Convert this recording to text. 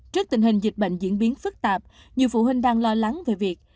trước tình hình dịch bệnh diễn biến phức tạp nhiều phụ huynh đang lo lắng về việc